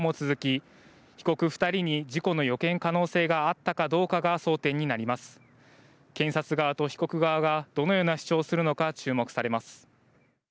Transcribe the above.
検察側と被告側がどのような主張をするのか注目されます。